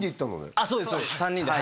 あっそうです